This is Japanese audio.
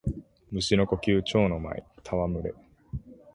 蟲の呼吸蝶ノ舞戯れ（ちょうのまいたわむれ）